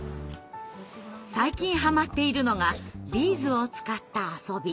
最近はまっているのがビーズを使った遊び。